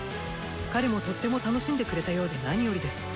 彼もとっても楽しんでくれたようで何よりです。